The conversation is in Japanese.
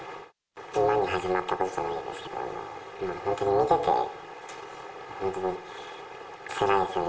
今に始まったことじゃないですけど、本当に見てて、本当につらいですよね。